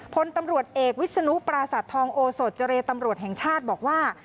พลตำรวจเอกวิศนุปราศาสตทองโอสดเจรตำรวจแห่งชาติบอกว่า